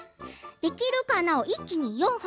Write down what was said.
「できるかな」を一気に４本。